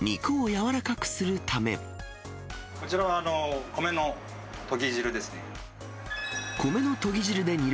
こちらは米のとぎ汁ですね。